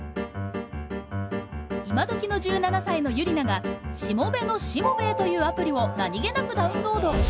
今どきの１７歳のユリナが「しもべのしもべえ」というアプリを何気なくダウンロード。